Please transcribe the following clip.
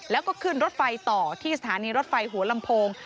แล้วก็ขึ้นรถไฟต่อที่สถานีรถไฟหัวลำโพง